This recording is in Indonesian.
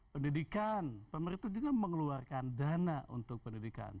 pendidikan pemerintah juga mengeluarkan dana untuk pendidikan